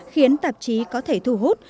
khiến tạp chí có thể thu hút